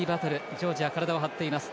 ジョージア、体を張っています。